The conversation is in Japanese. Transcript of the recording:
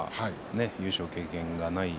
優勝経験がない